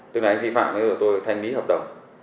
tức là anh vi phạm tôi thanh lý hợp đồng